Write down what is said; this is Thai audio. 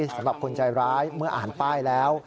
สำหรับคนใจร้ายเมื่ออ่านป้ายแล้ว